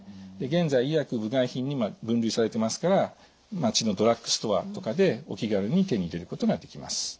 現在医薬部外品に分類されてますから町のドラッグストアとかでお気軽に手に入れることができます。